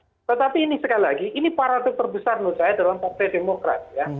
nah tetapi ini sekali lagi ini paradigma terbesar menurut saya dalam hal ini